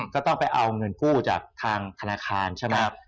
ก็ต้องไปเอาเงินกู้จากทางธนาคารใช่ไหม